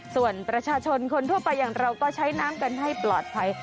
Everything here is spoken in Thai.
ส่วนประชาชนคนทั่วไปอย่างเราก็ใช้น้ำกันให้ปลอดภัย